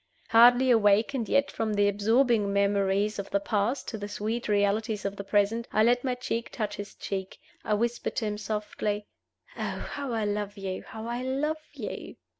Hardly awakened yet from the absorbing memories of the past to the sweet realities of the present, I let my cheek touch his cheek, I whispered to him softly, "Oh, how I love you! how I love you!"